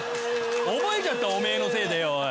覚えちゃったオメエのせいでよおい。